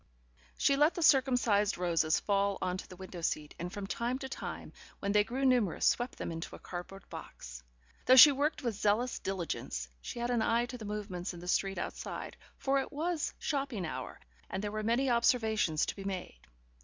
She let the circumcised roses fall on to the window seat, and from time to time, when they grew numerous, swept them into a cardboard box. Though she worked with zealous diligence, she had an eye to the movements in the street outside, for it was shopping hour, and there were many observations to be made.